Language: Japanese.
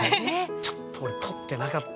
ちょっと俺撮ってなかったですわ。